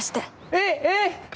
えっ、えっ。